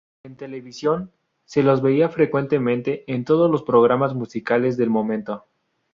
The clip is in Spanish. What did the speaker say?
En televisión se los veía frecuentemente en todos los programas musicales del momento.